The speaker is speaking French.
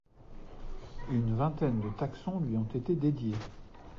Une vingtaine de taxons lui ont été dédiés.